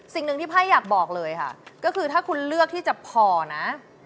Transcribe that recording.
สิ่งหนึ่งที่ไพ่อยากบอกเลยค่ะก็คือถ้าคุณเลือกที่จะพอนะ